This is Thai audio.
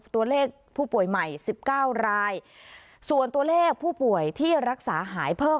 ตัวเลขผู้ป่วยใหม่สิบเก้ารายส่วนตัวเลขผู้ป่วยที่รักษาหายเพิ่ม